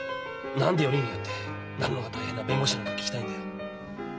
何でよりによってなるのが大変な弁護士なのか聞きたいんだよ。